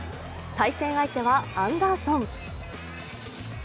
対戦相手はアンダーソン。